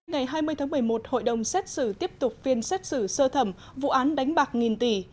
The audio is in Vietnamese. ngày hai mươi tháng một mươi một hội đồng xét xử tiếp tục phiên xét xử sơ thẩm vụ án đánh bạc nghìn tỷ